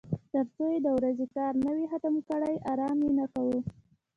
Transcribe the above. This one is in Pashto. تر څو یې د ورځې کار نه وای ختم کړی ارام یې نه کاوه.